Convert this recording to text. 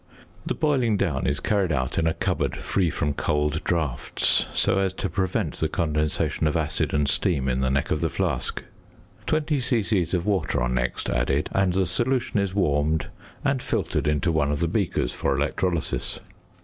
The boiling down is carried out in a cupboard free from cold draughts, so as to prevent the condensation of acid and steam in the neck of the flask. Twenty c.c. of water are next added, and the solution is warmed, and filtered into one of the beakers for electrolysis.